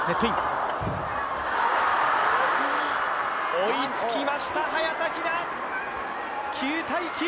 追いつきました、早田ひな。